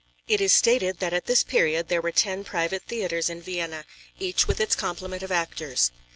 It is stated that at this period there were ten private theatres in Vienna, each with its complement of actors.